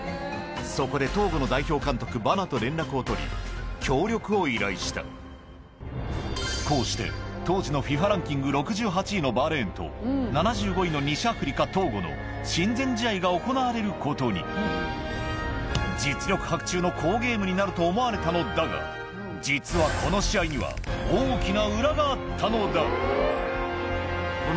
そこでトーゴの代表監督バナと連絡を取り協力を依頼したこうして当時のＦＩＦＡランキング６８位のバーレーンと７５位の西アフリカトーゴの親善試合が行われることに実力伯仲の好ゲームになると思われたのだが実はよく堂々と言うね。